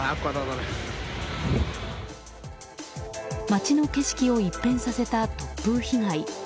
街の景色を一変させた突風被害。